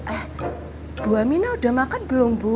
eh bu aminah udah makan belum bu